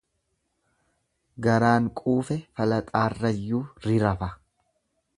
Garaan quufe falaxaarrayyuu ri rafa.